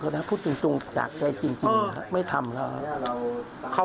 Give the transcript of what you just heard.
แต่พูดจริงจากใจจริงไม่ทำแล้ว